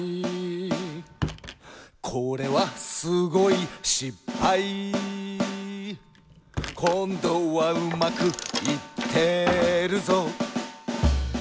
「これはすごいしっぱい」「こんどはうまくいってるぞ」